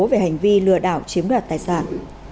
về hành vi lừa đảo chiếm đoạt tài sản